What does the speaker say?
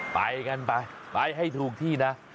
ไปกันไปไปให้ถูกที่นะ